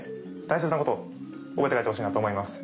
大切なことを覚えて帰ってほしいなと思います。